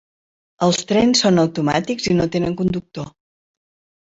Els trens són automàtics i no tenen conductor.